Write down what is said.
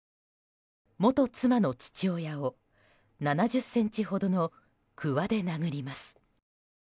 元妻の父親を７０ｃｍほどのくわで殴ります。